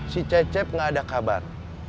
si cecep nggak ada kabar